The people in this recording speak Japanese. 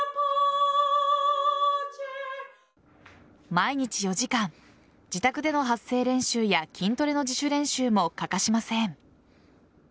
毎日４時間自宅での発声練習や筋トレの自主練習も欠かしません。